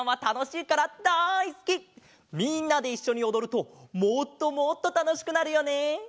みんなでいっしょにおどるともっともっとたのしくなるよね！